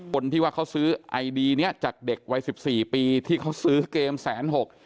คนที่ว่าเขาซื้อไอดีเนี้ยจากเด็กวัยสิบสี่ปีที่เขาซื้อเกมแสนหก